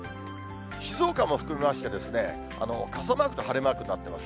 静岡も含めまして、傘マークと晴れマークになってます。